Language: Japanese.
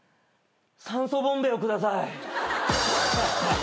酸素ボンベをください。